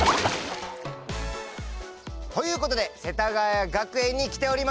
ということで世田谷学園に来ております。